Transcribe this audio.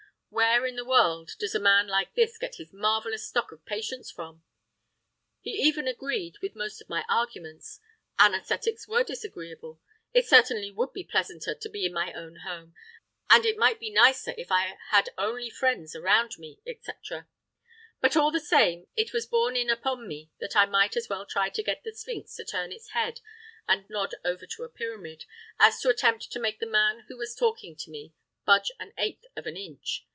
(Where in the world does a man like this get his marvellous stock of patience from!) He even agreed with most of my arguments. Anæsthetics were disagreeable; it certainly would be pleasanter to be in my own home; and it might be nicer if I had only friends around me, etc. But, all the same, it was borne in upon me that I might as well try to get the Sphinx to turn its head and nod over to a pyramid, as to attempt to make the man who was talking to me budge an eighth of an inch.